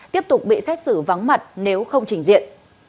tiếp tục bị xét xử vắng mặt nếu không trình diện